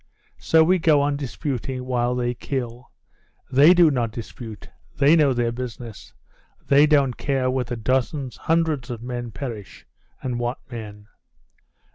So we go on disputing while they kill; they do not dispute they know their business; they don't care whether dozens, hundreds of men perish and what men!